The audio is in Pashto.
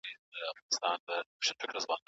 د ناغيړۍ په صورت کي به په تاديبي شکل وهل کيږي.